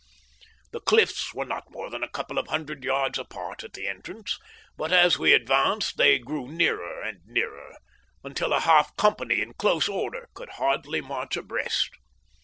The cliffs were not more than a couple of hundred yards apart at the entrance, but as we advanced they grew nearer and nearer, until a half company in close order could hardly march abreast.